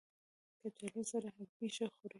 کچالو سره هګۍ ښه خوري